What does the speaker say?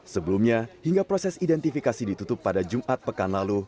sebelumnya hingga proses identifikasi ditutup pada jumat pekan lalu